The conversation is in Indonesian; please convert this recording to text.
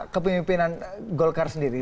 kepemimpinan golkar sendiri